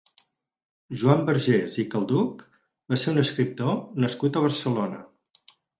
Joan Vergés i Calduch va ser un escriptor nascut a Barcelona.